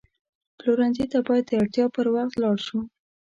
پلورنځي ته باید د اړتیا پر وخت لاړ شو.